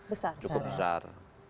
besar cukup besar